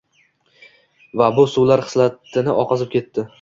Va bu suvlar xislatlarni oqizib ketdi.